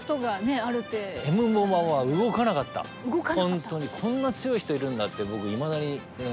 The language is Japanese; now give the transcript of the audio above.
本当にこんな強い人いるんだって僕いまだに。